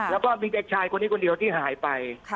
แล้วก็มีเด็กชายคนนี้คนเดียวที่หายไป